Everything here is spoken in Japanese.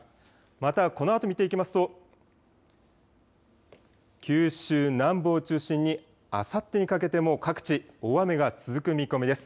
また、このあと見ていきますと九州南部を中心にあさってにかけても各地、大雨が続く見込みです。